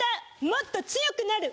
もっと強くなる！